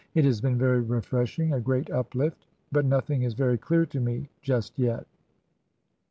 It has been very refreshing — a great uplift. But nothing is very clear to me just yet."